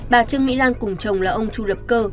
bà trương mỹ lan cùng chồng là ông chu lập cơ